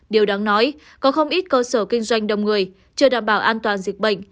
điều đáng nói có không ít cơ sở kinh doanh đông người chưa đảm bảo an toàn dịch bệnh